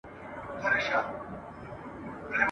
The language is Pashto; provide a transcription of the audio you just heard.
د عقاب په آشيانوکي !.